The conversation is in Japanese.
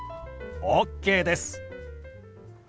ＯＫです！